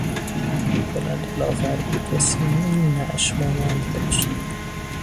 او بلند و لاغر بود و سیمایی نعش مانند داشت.